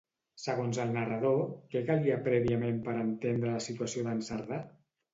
Segons el narrador, què calia prèviament per entendre la situació d'en Cerdà?